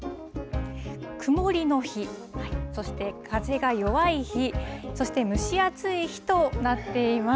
曇りの日、そして風が弱い日そして蒸し暑い日となっています。